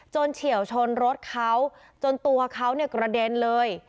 เฉียวชนรถเขาจนตัวเขาเนี่ยกระเด็นเลย